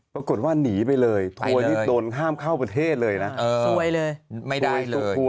ปรากฏว่านีไปเลยทัวร์นี้โดนห้ามเข้าประเทศเลยนะ